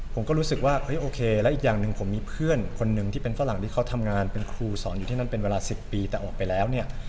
ผมก็รู้สึกว่าเฮ้ยโอเคแล้วอีกอย่างหนึ่งผมมีเพื่อนคนหนึ่งที่เป็นฝรั่งที่เขาทำงานเป็นครูสอนอยู่ที่นั่นเป็นเวลา๑๐ปีแต่ออกไปแล้วเนี่ย